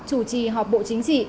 chủ trì họp bộ chính trị